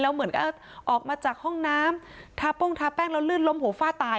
เหมือนก็ออกมาจากห้องน้ำทาป้องทาแป้งแล้วลื่นล้มหัวฝ้าตาย